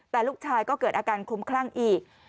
แต่ลูกชายก็เกิดอาการคลุมคลั่งอีก